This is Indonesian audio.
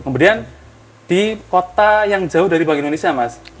kemudian di kota yang jauh dari bank indonesia mas